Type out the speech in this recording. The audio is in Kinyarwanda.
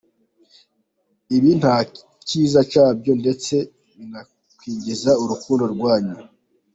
Ibi nta kiza cyabyo ndetse binakwingiza urukundo rwanyu.